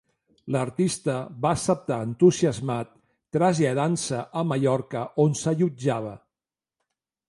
L'artista va acceptar entusiasmat, traslladant-se a Mallorca on s'allotjava.